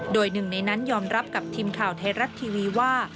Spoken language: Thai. โดยหนึ่งในนั้นยอมรับกับทีมข่าวไทยรัฐทีวีว่า